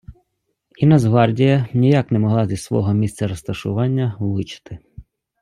І Нацгвардія ніяк не могла зі свого місця розташування влучити.